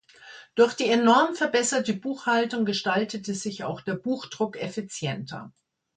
Durch die enorm verbesserte Buchhaltung gestaltete sich auch der Buchdruck effizienter.